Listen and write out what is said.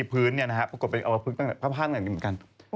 พื้นปรากฎเป็นเอาละพื้นตั้งแต่ภาพ